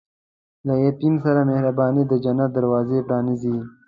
له یتیم سره مهرباني، د جنت دروازه پرانیزي.